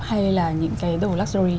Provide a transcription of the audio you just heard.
hay là những cái đồ luxury